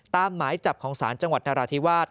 หมายจับของศาลจังหวัดนราธิวาส